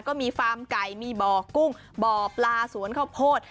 ฟาร์มไก่มีบ่อกุ้งบ่อปลาสวนข้าวโพด